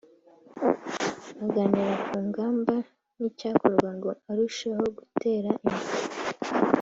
baganira ku ngamba n’icyakorwa ngo arusheho gutera imbere